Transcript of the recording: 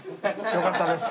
よかったです。